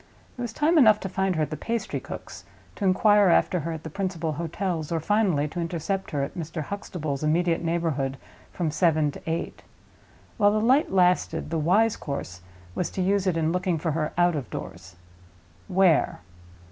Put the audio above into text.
There was time enough to find her at the pastry cook's, to inquire after her at the principal hotels, or, finally, to intercept her in Mr. Huxtable's immediate neighborhood from seven to eight. While the light lasted, the wise course was to use it in looking for her out of doors. Where?